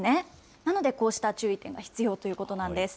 なので、こうした注意点が必要ということなんです。